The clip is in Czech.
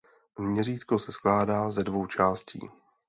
Měřítko se skládá ze dvou částí.